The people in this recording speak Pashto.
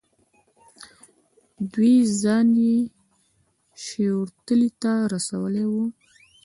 دوی ځان یې شیورتیلي ته رسولی وو.